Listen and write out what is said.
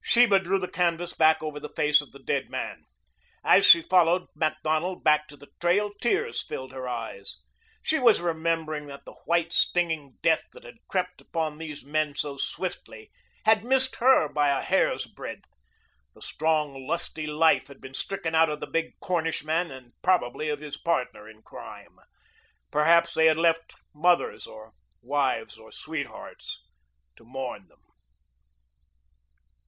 Sheba drew the canvas back over the face of the dead man. As she followed Macdonald back to the trail, tears filled her eyes. She was remembering that the white, stinging death that had crept upon these men so swiftly had missed her by a hair's breadth. The strong, lusty life had been stricken out of the big Cornishman and probably of his partner in crime. Perhaps they had left mothers or wives or sweethearts to mourn them.